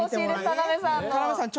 田辺さん